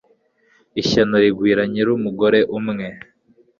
ishyano rigwira nyirumugore umwe